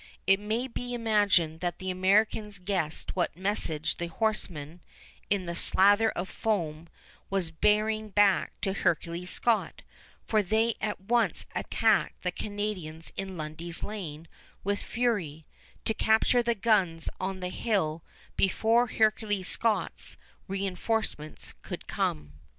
It may be imagined that the Americans guessed what message the horseman, in the slather of foam was bearing back to Hercules Scott; for they at once attacked the Canadians in Lundy's Lane with fury, to capture the guns on the hill before Hercules Scott's reënforcements could come.